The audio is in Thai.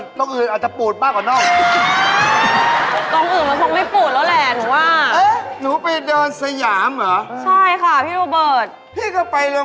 เดินจนน่องปูดใช่